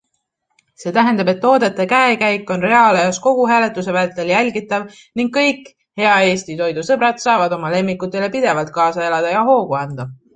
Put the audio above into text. See tähendab, et toodete käekäik on reaalajas kogu hääletuse vältel jälgitav ning kõik hea Eesti toidu sõbrad saavad oma lemmikutele pidevalt kaasa elada ja hoogu anda.